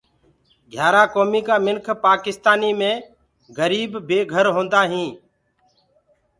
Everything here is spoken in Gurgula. گھِيآرآ ڪوميٚ ڪآ منک پآڪِسآنيٚ مي گريب بي گھر هونٚدآ هينٚ